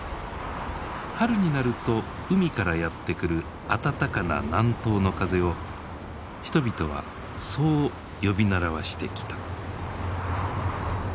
春になると海からやって来る暖かな南東の風を人々はそう呼び習わしてきた。